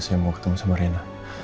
saya mau ketemu sama rena